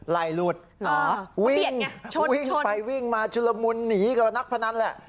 ไหล่หลุดวิ่งไงวิ่งไปวิ่งมาชุลมุนหนีกับนักพนันแหละ